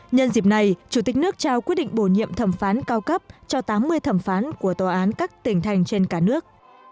nhân dịp này chủ tịch nước trao quyết định bổ nhiệm thẩm phán cao cấp cho tám mươi thẩm phán của tòa án các tỉnh thành trên cả nước